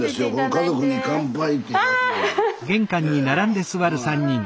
「家族に乾杯」っていうやつで。